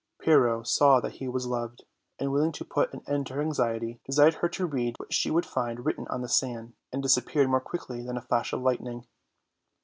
Pyrrho saw that he was loved; and, willing to put an end to her anxiety, desired her to read what she would find written on the sand, and disappeared more quickly than a flash of lightning.